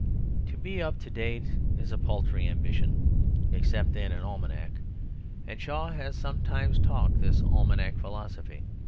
To be up to date is a paltry ambition except in an almanac, and Shaw has sometimes talked this almanac philosophy.